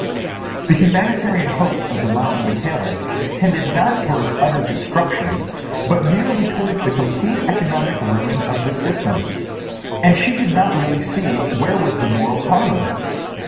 The humanitarian hopes of the mild Michaelis tended not towards utter destruction, but merely towards the complete economic ruin of the system. And she did not really see where was the moral harm of it.